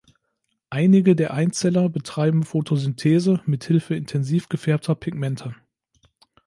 Einige der Einzeller betreiben Photosynthese mit Hilfe intensiv gefärbter Pigmente.